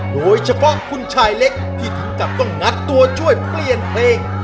โดยเฉพาะคุณชายเล็กที่ถึงกับต้องงัดตัวช่วยเปลี่ยนเพลง